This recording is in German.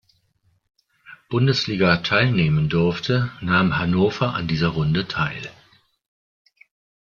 Bundesliga teilnehmen durfte nahm Hannover an dieser Runde teil.